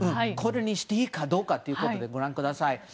これにしていいかどうかということで、ご覧ください。